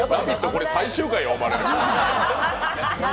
これ、最終回やと思われる。